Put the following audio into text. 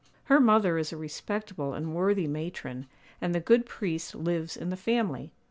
Her mother is a respectable and worthy matron, and the good priest lives in the family.